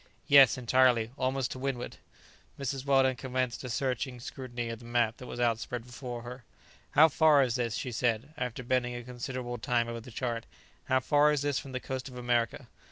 "Yes, entirely; almost to windward." Mrs. Weldon commenced a searching scrutiny of the map that was outspread before her. "How far is this," she said, after bending a considerable time over the chart; "how far is this from the coast of America?"